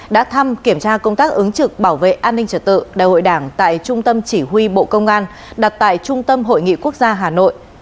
đã thăm kiểm tra công tác ứng trực bảo vệ an ninh trở tự đại hội đảng tại trung tâm chỉ huy bộ công an đặt tại trung tâm hội nghị quốc gia hà nội